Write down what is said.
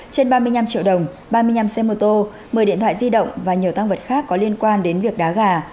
trên ba mươi năm triệu đồng ba mươi năm xe mô tô một mươi điện thoại di động và nhiều tăng vật khác có liên quan đến việc đá gà